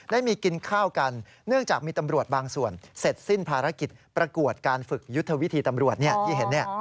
ได้มีกินข้าวกันเนื่องจากมีตำรวจบางส่วนเสร็จสิ้นภารกิจประกวดการฝึกยุทธวิธีตำรวจที่เห็น